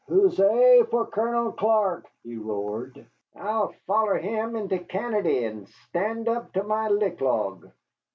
"Huzzay for Colonel Clark!" he roared. "I'll foller him into Canady, and stand up to my lick log."